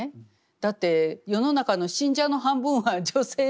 だって世の中の信者の半分は女性なわけですから。